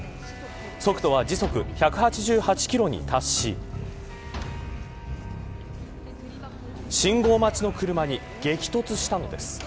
速度は時速１８８キロに達し信号待ちの車に激突したのです。